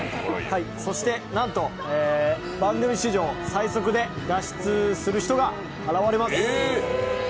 そしてなんと、番組史上最速で脱出する人が現れます。